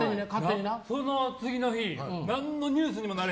その次の日、何のニュースにもなら